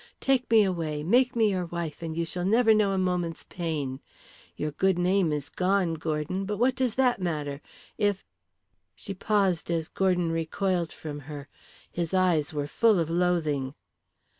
Take me away, make me your wife, and you shall never know a moment's pain. Your good name is gone, Gordon but what does that matter. If " She paused as Gordon recoiled from her. His eyes were full of loathing.